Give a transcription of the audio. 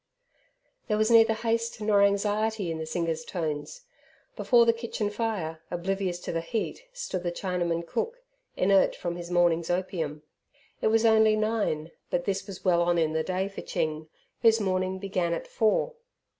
There was neither haste nor anxiety in the singer's tones. Before the kitchen fire, oblivious to the heat, stood the Chinaman cook, inert from his morning's opium. It was only nine, but this was well on in the day for Ching, whose morning began at four.